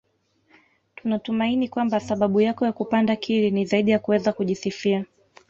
Tunatumaini kwamba sababu yako ya kupanda Kili ni zaidi ya kuweza kujisifia